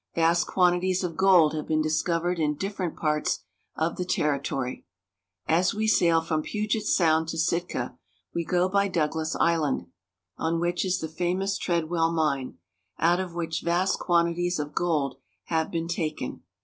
Vast quan tities of gold have been discovered in different parts of the territory. As we sail from Puget Sound to Sitka, we go by Douglas Island, on which is the famous Treadwell Mine, out of which vast quantities of gold have been taken.